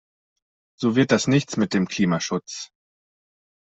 So wird das nichts mit dem Klimaschutz.